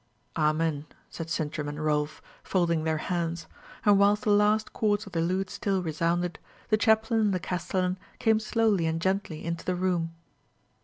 "Amen," said Sintram and Rolf, folding their hands; and whilst the last chords of the lute still resounded, the chaplain and the castellan came slowly and gently into the room.